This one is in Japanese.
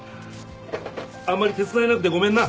あんまり手伝えなくてごめんな。